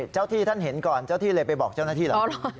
ที่ท่านเห็นก่อนเจ้าที่เลยไปบอกเจ้าหน้าที่เหรอ